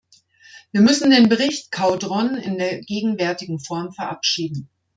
Wir müssen den Bericht Caudron in der gegenwärtigen Form verabschieden.